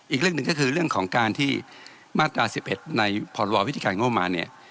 อีกเรื่องหนึ่งก็คือเรื่องของการที่มาตรา๑๑ในพรววิธีการงบมาเนี่ย